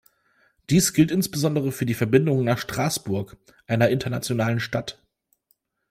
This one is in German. Dies gilt insbesondere für die Verbindungen nach Straßburg, einer internationalen Stadt.